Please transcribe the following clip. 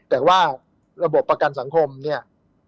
แต่ว่าระบบประกันสังคมเนี่ย